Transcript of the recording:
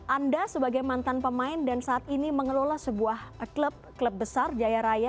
anda sebagai mantan pemain dan saat ini mengelola sebuah klub klub besar jaya raya